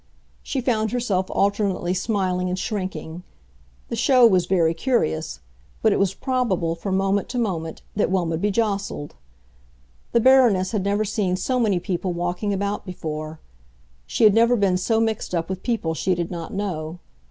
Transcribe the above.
She found herself alternately smiling and shrinking; the show was very curious, but it was probable, from moment to moment, that one would be jostled. The Baroness had never seen so many people walking about before; she had never been so mixed up with people she did not know.